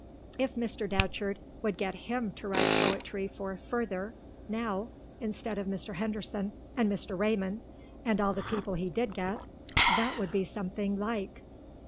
If Mr. Datcherd would get him to write poetry for Further, now, instead of Mr. Henderson and Mr. Raymond, and all the people he did get, that would be something like.